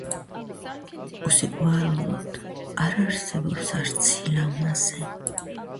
Ringo Starr also appears on the track "California Calling".